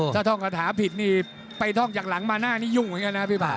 ถ้าท่องคาถาผิดนี่ไปท่องจากหลังมาหน้านี่ยุ่งอย่างนี้นะครับพี่ป่า